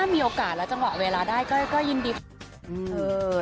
มีโอกาสแล้วจังหวะเวลาได้ก็ยินดี